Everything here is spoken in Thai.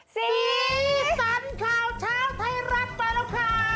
สรีสรรค์ข่าวเช้าไทยรับไปแล้วครับ